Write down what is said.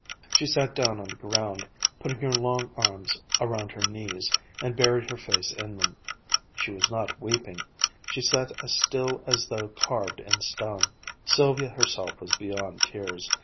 She sat down on the ground, put her long arms around her knees, and buried her face in them. She was not weeping. She sat as still as though carved in stone. Sylvia herself was beyond tears.